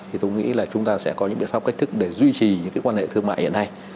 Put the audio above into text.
thì tôi nghĩ là chúng ta sẽ có những biện pháp cách thức để duy trì những cái quan hệ thương mại hiện nay